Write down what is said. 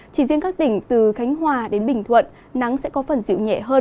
chỉ riêng các tỉnh từ khánh hòa đến bình thuận nắng sẽ có phần dịu nhẹ hơn